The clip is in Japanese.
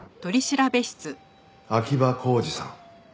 秋葉浩二さん。